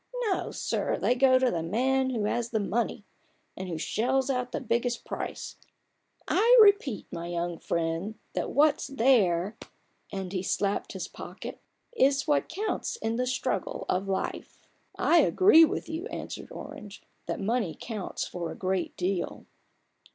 No, sir, they go to the man who has the money, and who shells out the biggest price. I repeat, my young friend, that what's there " (and he slapped his pocket) " is what counts in the struggle of life." '* I agree with you," answered Orange, " that money counts for a great deal."